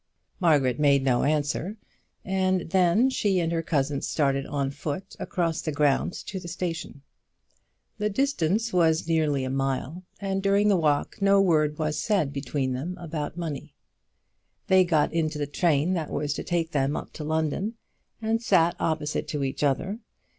Margaret made no answer, and then she and her cousin started on foot across the grounds to the station. The distance was nearly a mile, and during the walk no word was said between them about the money. They got into the train that was to take them up to London, and sat opposite to each other.